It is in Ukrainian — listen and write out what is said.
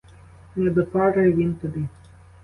Не до пари він тобі.